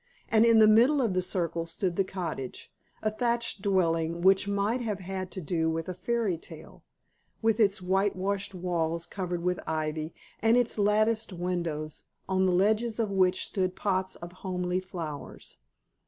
And in the middle of the circle stood the cottage: a thatched dwelling, which might have had to do with a fairy tale, with its whitewashed walls covered with ivy, and its latticed windows, on the ledges of which stood pots of homely flowers.